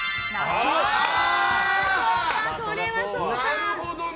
なるほどね！